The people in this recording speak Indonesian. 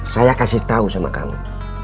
saya kasih tahu sama kami